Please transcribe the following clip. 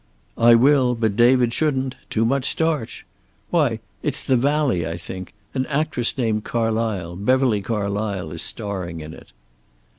"I will, but David shouldn't. Too much starch. Why, it's 'The Valley,' I think. An actress named Carlysle, Beverly Carlysle, is starring in it."